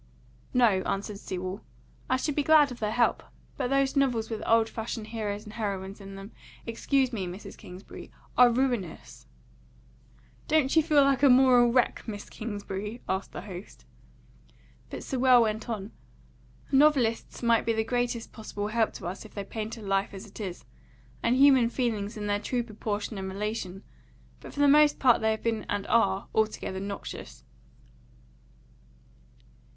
"No," answered Sewell. "I should be glad of their help. But those novels with old fashioned heroes and heroines in them excuse me, Miss Kingsbury are ruinous!" "Don't you feel like a moral wreck, Miss Kingsbury?" asked the host. But Sewell went on: "The novelists might be the greatest possible help to us if they painted life as it is, and human feelings in their true proportion and relation, but for the most part they have been and are altogether noxious."